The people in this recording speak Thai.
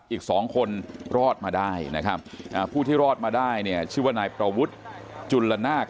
อีกสองคนรอดมาได้นะครับผู้ที่รอดมาได้เนี่ยชื่อว่านายประวุฒิจุลนาค